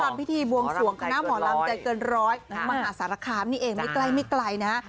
ทำพิธีบวงสวงคณะหมอลำใจเกินร้อยมหาสารคามนี่เองไม่ใกล้ไม่ไกลนะฮะ